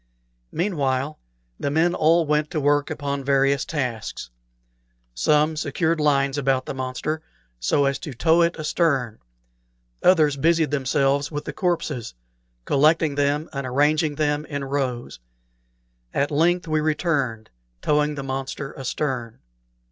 Meanwhile, the men all went to work upon various tasks. Some secured lines about the monster so as to tow it astern; others busied themselves with the corpses, collecting them and arranging them in rows. At length we returned, towing the monster astern.